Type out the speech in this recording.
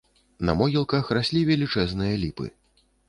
На могілках раслі велічэзныя ліпы.